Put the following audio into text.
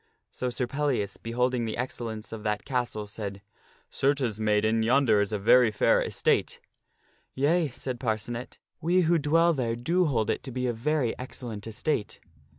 So Sir Pellias, beholding the excellence of that castle, said, " Certes, maid en, yonder is a very fair estate." " Yea," said Parcenet ;" we who dwell there do hold it to be a very ex cellent estate."